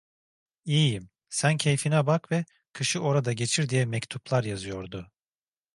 İyiyim, sen keyfine bak ve kışı orada geçir diye mektuplar yazıyordu.